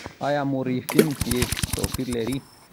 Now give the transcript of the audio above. ایا مورفیم يې توپیر لري؟